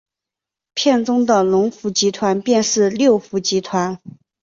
片中的龙福集团便是六福集团。